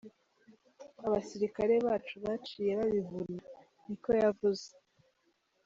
Abasirikare bacu baciye babivuna," niko yavuze.